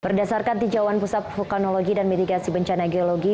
berdasarkan tijauan pusat vulkanologi dan mitigasi bencana geologi